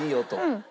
うん。